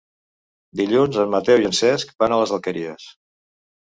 Dilluns en Mateu i en Cesc van a les Alqueries.